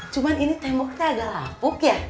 cuma ini temboknya agak lapuk ya